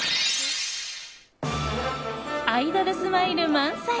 アイドルスマイル満載！